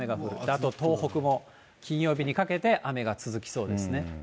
あと東北も金曜日にかけて雨が続きそうですね。